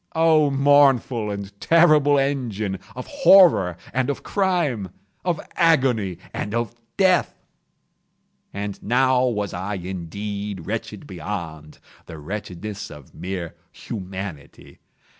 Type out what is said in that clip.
—oh, mournful and terrible engine of Horror and of Crime—of Agony and of Death! And now was I indeed wretched beyond the wretchedness of mere Humanity.